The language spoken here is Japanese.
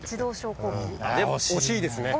でも惜しいですね。